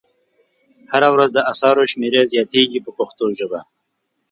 هره ورځ د اثارو شمېره زیاتیږي په پښتو ژبه.